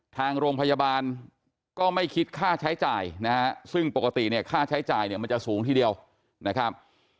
ทางโรงพยาบาลก็ไม่คิดค่าใช้จ่ายนะฮะซึ่งปกติเนี่ยค่าใช้จ่ายเนี่ยมันจะสูงทีเดียวนะครับ